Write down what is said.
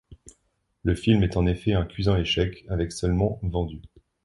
Le film est en effet un cuisant échec avec seulement vendues.